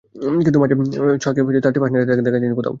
কিন্তু মাঝে বছর ছয়েক থার্টি ফার্স্ট নাইটে তাঁকে দেখা যায়নি কোথাও।